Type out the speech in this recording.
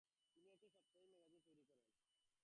তিনি একটি সাপ্তাহিক ম্যাগাজিন তৈরি করেন।